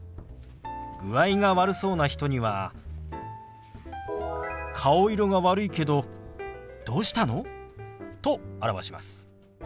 具合が悪そうな人には「顔色が悪いけどどうしたの？」と表します。